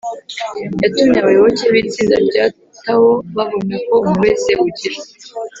yatumye abayoboke b’itsinda rya tao babona ko umuntu wese ugira